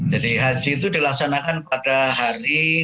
jadi haji itu dilaksanakan pada hari